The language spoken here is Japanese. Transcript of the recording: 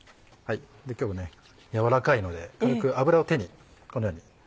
今日は軟らかいので軽く油を手にこのように。